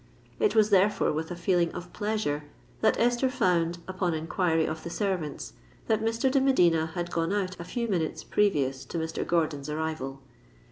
It was therefore with a feeling of pleasure that Esther found, upon inquiry of the servants, that Mr. de Medina had gone out a few minutes previous to Mr. Gordon's arrival.